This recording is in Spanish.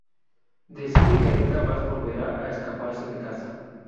Decide que nunca más volverá a escaparse de casa.